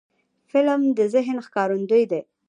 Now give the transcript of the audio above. فلم د ذهن ښکارندوی دی